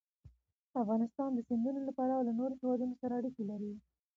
افغانستان د سیندونه له پلوه له نورو هېوادونو سره اړیکې لري.